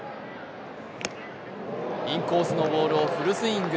インコースのボールをフルスイング。